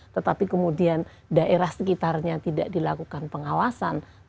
tetapi kemudian daerah sekitarnya tidak dilakukan pengawasan